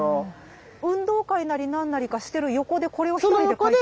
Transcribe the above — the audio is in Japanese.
運動会なり何なりかしてる横でこれを一人で書いてる？